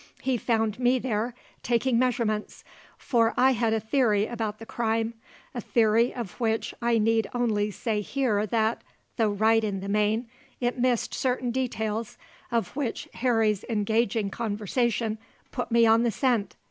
He found me there taking measurements; for I had a theory about the crime a theory of which I need only say here that, though right in the main, it missed certain details of which Harry's engaging conversation put me on the scent.